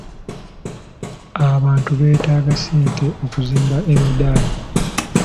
Abantu beetaaga ssente okuzimba emidaala.